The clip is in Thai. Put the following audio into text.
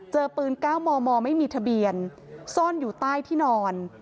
เจอปืน๙มมไม่มีทะเบียนซ่อนอยู่ใต้ที่นอน